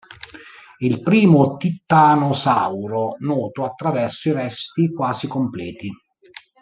È il primo titanosauro noto attraverso resti quasi completi.